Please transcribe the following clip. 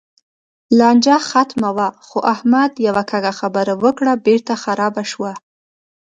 لانجه ختمه وه؛ خو احمد یوه کږه خبره وکړه، بېرته خرابه شوه.